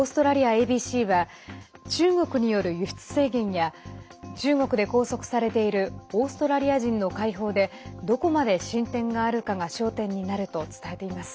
ＡＢＣは中国による輸出制限や中国で拘束されているオーストラリア人の解放でどこまで進展があるかが焦点になると伝えています。